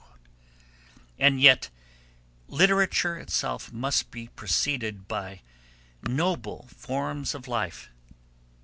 And yet literature itself must be preceded by noble forms of life.